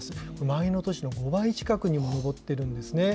前の年の２倍近くに上っているんですね。